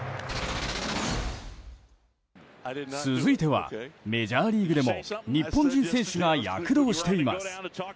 続いてはメジャーリーグでも日本人選手が躍動しています。